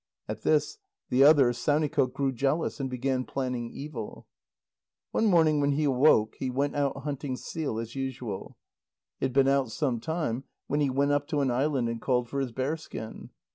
At this the other, Saunikoq, grew jealous, and began planning evil. One morning when he awoke, he went out hunting seal as usual. He had been out some time, when he went up to an island, and called for his bearskin.